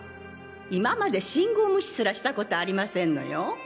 今まで信号無視すらした事ありませんのよ。